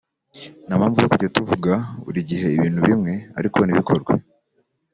nta mpamvu yo kujya tuvuga buri gihe ibintu bimwe ariko ntibikorwe